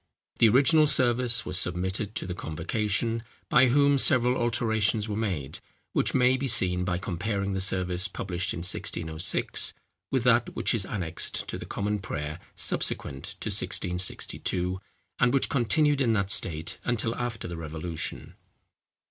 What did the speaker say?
The original service was submitted to the convocation, by whom several alterations were made, which may be seen by comparing the service published in 1606 with that which is annexed to the Common Prayer subsequent to 1662, and which continued in that state until after the Revolution.